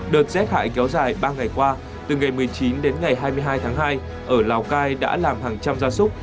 đợt rét hại kéo dài ba ngày qua từ ngày một mươi chín đến ngày hai mươi hai tháng hai ở lào cai đã làm hàng trăm gia súc